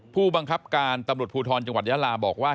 ผู้บังคับการตำรวจภูทรจังหวัดยาลาบอกว่า